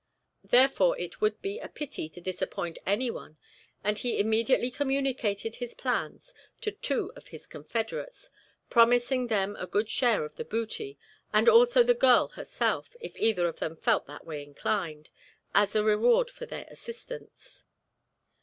Therefore it would be a pity to disappoint any one, and he immediately communicated his plans to two of his confederates, promising them a good share of the booty, and also the girl herself, if either of them felt that way inclined, as a reward for their assistance.